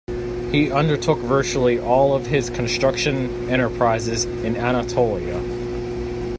He undertook virtually all of his construction enterprises in Anatolia.